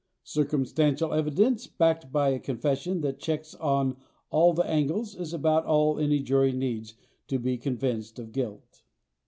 Circumstantial evidence backed by a confession that checks on all angles is about all any jury needs to be convinced of guilt.